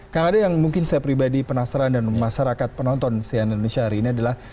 karena ada yang mungkin saya pribadi penasaran dan masyarakat penonton si anand nishari ini adalah